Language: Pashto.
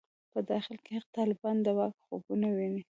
په داخل کې هغه طالبان د واک خوبونه ویني.